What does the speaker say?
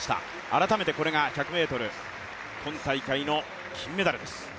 改めて、１００ｍ今大会の金メダルです。